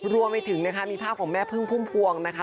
รวมไปถึงนะคะมีภาพของแม่พึ่งพุ่มพวงนะคะ